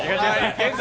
現在